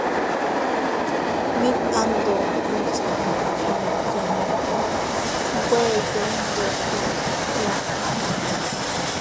Mit andokos a chete muʼu nweyo ndokas bia.